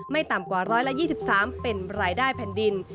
ต่ำกว่า๑๒๓เป็นรายได้แผ่นดิน